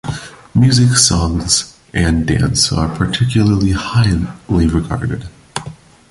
Music, songs and dance are particularly highly regarded.